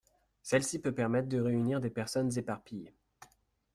Celle-ci peut permettre de réunir des personnes éparpillées.